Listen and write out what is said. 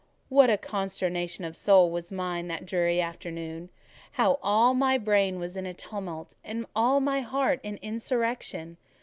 What a consternation of soul was mine that dreary afternoon! How all my brain was in tumult, and all my heart in insurrection!